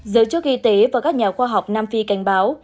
giới chức y tế và các nhà khoa học nam phi cảnh báo